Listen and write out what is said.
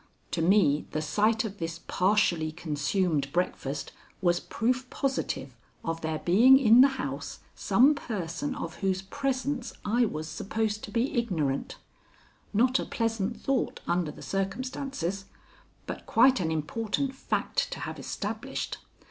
To me the sight of this partially consumed breakfast was proof positive of there being in the house some person of whose presence I was supposed to be ignorant not a pleasant thought under the circumstances, but quite an important fact to have established.